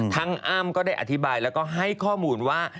อ้ำก็ได้อธิบายแล้วก็ให้ข้อมูลว่า